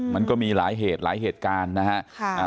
มันก็มีหลายเหตุหลายเหตุการณ์นะฮะ